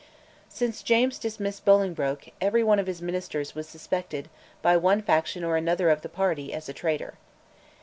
Since James dismissed Bolingbroke, every one of his Ministers was suspected, by one faction or another of the party, as a traitor.